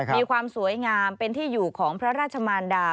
มีความสวยงามเป็นที่อยู่ของพระราชมารดา